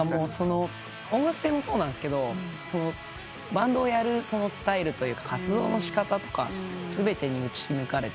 音楽性もそうなんすけどバンドをやるそのスタイルというか活動のしかたとか全てに打ち抜かれて。